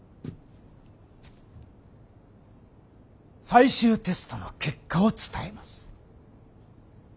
最終テストの結果を伝えます。